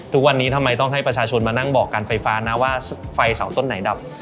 ทุกวันนี้ทำไมต้องให้ประชาชนมานั่งบอกการไฟฟ้านะว่าไฟเสาต้นไหนดับ